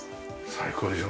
最高でしょ？